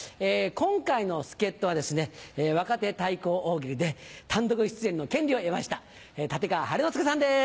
今回の助っ人はですね若手対抗大喜利で単独出演の権利を得ました立川晴の輔さんです